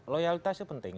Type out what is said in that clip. loyalitas itu penting